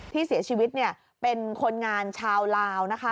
ที่เสียชีวิตเป็นคนงานชาวลาวนะคะ